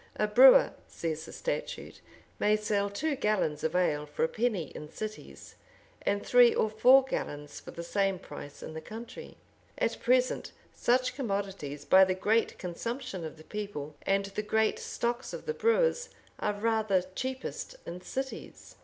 A brewer, says the statute, may sell two gallons of ale for a penny in cities, and three or four gallons for the same price in the country. At present, such commodities, by the great consumption of the people, and the great stocks of the brewers, are rather cheapest in cities.